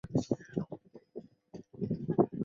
该物种的模式产地在河南商城。